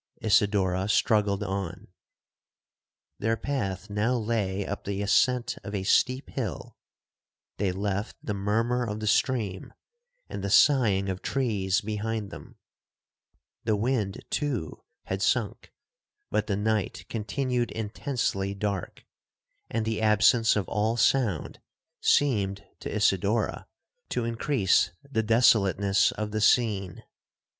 Isidora struggled on. Their path now lay up the ascent of a steep hill,—they left the murmur of the stream, and the sighing of trees, behind them,—the wind, too, had sunk, but the night continued intensely dark,—and the absence of all sound seemed to Isidora to increase the desolateness of the scene.